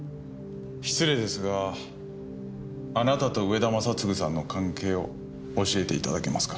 失礼ですがあなたと上田昌嗣さんの関係を教えていただけますか。